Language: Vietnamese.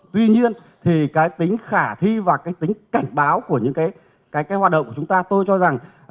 tuy nhiên thì cái tính khả thi và cái tính cảnh báo của những cái hoạt động của chúng ta tôi cho rằng